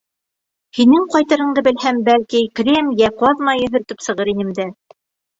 Һинең ҡайтырыңды белһәм, бәлки, крем йә ҡаҙ майы һөртөп сығыр инем дә.